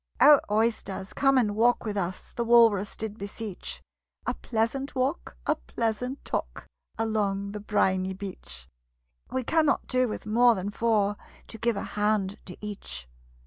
"O, Oysters, come and walk with us!" The Walrus did beseech. "A pleasant walk, a pleasant talk, Along the briny beach: We cannot do with more than four, To give a hand to each."